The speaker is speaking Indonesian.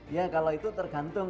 ya kalau itu tergantung